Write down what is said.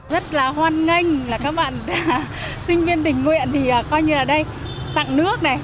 rất là hoan nghênh là các bạn sinh viên tình nguyện thì coi như là đây tặng nước này